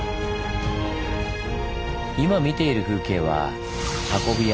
今見ている風景は「運び屋」